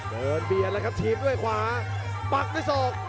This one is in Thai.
เดินเบียดแล้วครับถีบด้วยขวาปักด้วยศอก